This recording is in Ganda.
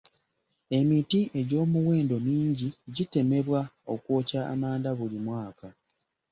Emiti egy'omuwendo mingi gitemebwa okwokya amanda buli mwaka.